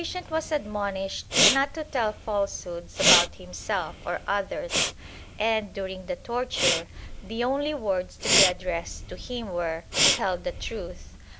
Ill 2 1^ TORTURE [Book VI was admonished not to tell falsehoods about himself or others and, during the torture, the only words to be addressed to him were "Tell the truth."